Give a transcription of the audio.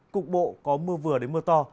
cục bộ có mưa vừa đến mưa to